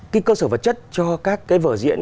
cái cơ sở vật chất cho các cái vở diễn